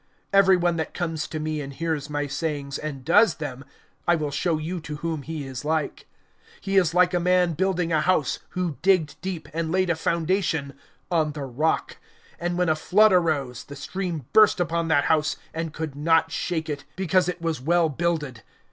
(47)Every one that comes to me, and hears my sayings, and does them, I will show you to whom he is like. (48)He is like a man building a house, who digged deep, and laid a foundation on the rock. And when a flood arose, the stream burst upon that house, and could not shake it; because it was well builded.